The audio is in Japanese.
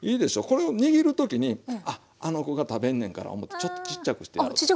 これを握る時にあっあの子が食べんねんから思ってちょっとちっちゃくしてやろうと。